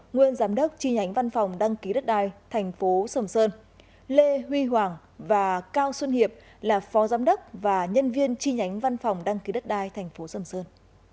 nguyên giám đốc chi nhánh văn phòng đăng ký đất đai tp sầm sơn lê huy hoàng và cao xuân hiệp là phó giám đốc và nhân viên chi nhánh văn phòng đăng ký đất đai tp sầm sơn